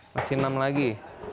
masih enam lagi